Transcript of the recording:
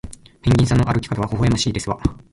ペンギンさんの歩き方はほほえましいですわ